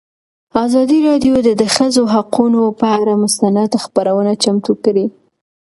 ازادي راډیو د د ښځو حقونه پر اړه مستند خپرونه چمتو کړې.